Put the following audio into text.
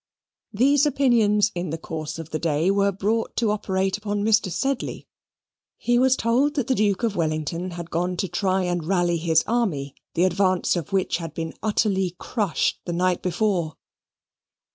These opinions in the course of the day were brought to operate upon Mr. Sedley. He was told that the Duke of Wellington had gone to try and rally his army, the advance of which had been utterly crushed the night before.